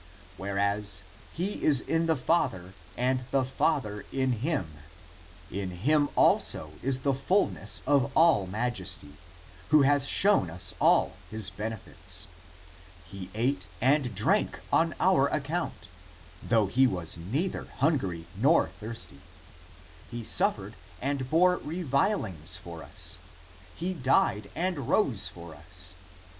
^^ Whereas ' he is in the Father and the Father in him ';^^ in him also is the fulness of all majesty, who has shown us all his benefits. He ate and drank on our account, though he was neither hungry nor thirsty; he suffered and bore revilings for us, he died and rose for us.